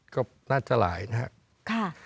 ก็น่าจะหลายนะครับ